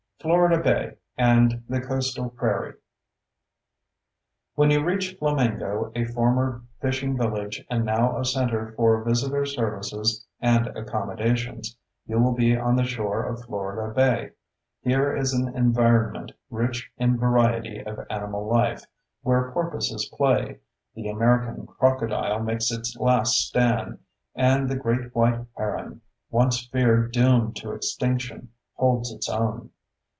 ] Florida Bay and the Coastal Prairie When you reach Flamingo, a former fishing village and now a center for visitor services and accommodations, you will be on the shore of Florida Bay. Here is an environment rich in variety of animal life, where porpoises play, the American crocodile makes its last stand, and the great white heron, once feared doomed to extinction, holds its own.